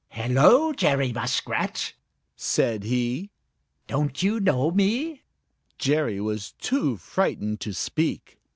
"Hello, Jerry Muskrat!" said he. "Don't you know me?" Jerry was too frightened to speak.